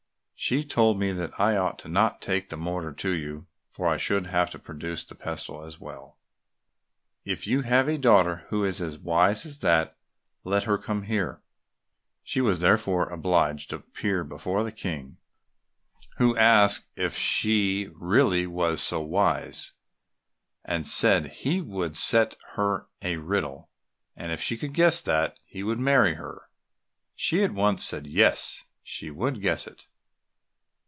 "She told me that I ought not to take the mortar to you, for I should have to produce the pestle as well." "If you have a daughter who is as wise as that, let her come here." She was therefore obliged to appear before the King, who asked her if she really was so wise, and said he would set her a riddle, and if she could guess that, he would marry her. She at once said yes, she would guess it.